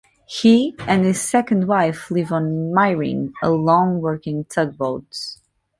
He and his second wife live on "Mirene", a -long working tugboat.